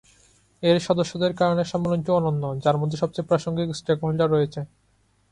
এর সদস্যদের কারণে সম্মেলনটি অনন্য, যার মধ্যে সবচেয়ে প্রাসঙ্গিক স্টেকহোল্ডার রয়েছে।